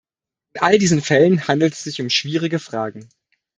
In all diesen Fällen handelt es sich um schwierige Fragen.